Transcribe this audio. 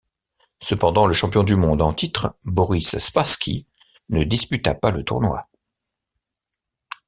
Cependant le champion du monde en titre, Boris Spassky ne disputa pas le tournoi.